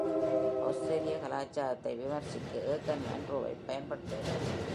ஆஸ்திரேலிய கலாச்சாரத்தை விமர்சிக்க ஏகன் மன்ரோவைப் பயன்படுத்துகிறார்.